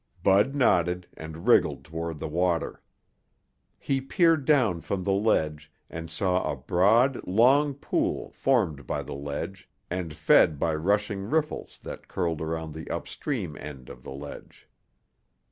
Bud nodded and wriggled toward the water. He peered down from the ledge and saw a broad, long pool formed by the ledge and fed by rushing riffles that curled around the upstream end of the ledge.